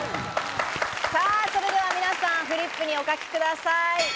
それでは皆さん、フリップにお書きください。